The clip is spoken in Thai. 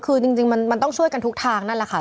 คือจริงมันต้องช่วยกันทุกทางนั่นแหละค่ะ